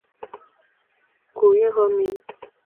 鸿沟是中国的古运河名。